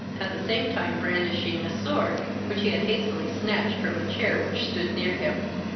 at the same time brandishing a sword, which he had hastily snatched from a chair which stood near him.